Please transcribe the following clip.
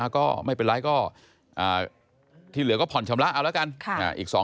ก็ไม่เป็นไรก็ที่เหลือก็ผ่อนชำระเอาละกัน